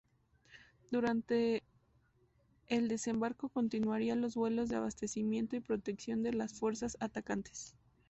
Durante el desembarco continuarían los vuelos de abastecimiento y protección de las fuerzas atacantes.